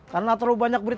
karena terlalu banyak berdua